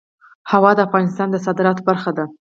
هوا د افغانستان د صادراتو برخه ده.